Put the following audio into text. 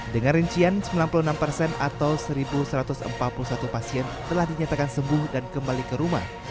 dengan rincian sembilan puluh enam persen atau satu satu ratus empat puluh satu pasien telah dinyatakan sembuh dan kembali ke rumah